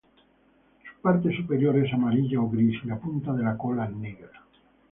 Su parte superior es amarilla o gris y la punta de la cola negra.